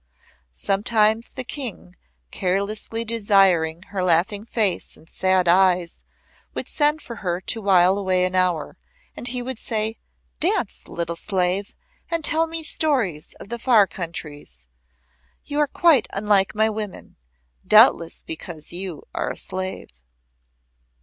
Sometimes the King, carelessly desiring her laughing face and sad eyes, would send for her to wile away an hour, and he would say; "Dance, little slave, and tell me stories of the far countries. You quite unlike my Women, doubtless because you are a slave."